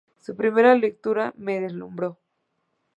Su primera lectura me deslumbró.